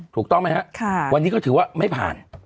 ถูกต้องไหมครับวันนี้ก็ถือว่าไม่ผ่าน